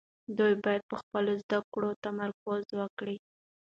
دوی باید په خپلو زده کړو تمرکز وکړي.